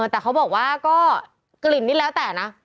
แต่เขาบอกว่าก็กลิ่นนี่แล้วแต่นะ